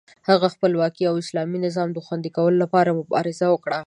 هغه د خپلواکۍ او اسلامي نظام د خوندي کولو لپاره مبارزه وکړه.